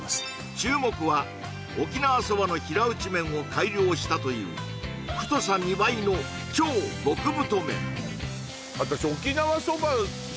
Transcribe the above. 注目は沖縄そばの平打ち麺を改良したという太さ２倍の超極太麺私沖縄そば